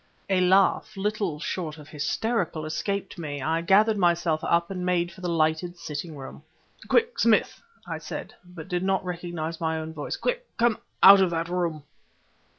A laugh, little short of hysterical, escaped me. I gathered myself up and made for the lighted sitting room. "Quick, Smith!" I said but I did not recognize my own voice. "Quick come out of that room."